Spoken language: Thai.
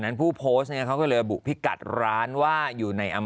รู้หรอไหม